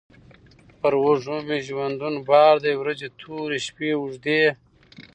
پر اوږو مي ژوندون بار دی ورځي توري، شپې اوږدې